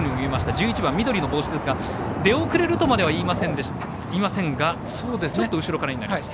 １１番、緑の帽子ですが出遅れるとまではいいませんがちょっと後ろからになりました。